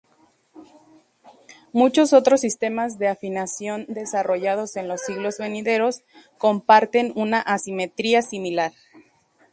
Muchos otros sistemas de afinación desarrollados en los siglos venideros, comparten una asimetría similar.